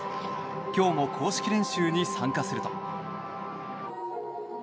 今日も公式練習に参加すると。